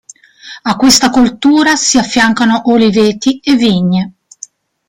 A questa coltura si affiancano oliveti e vigne.